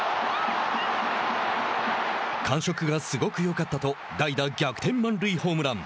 感触がすごくよかったと代打逆転満塁ホームラン。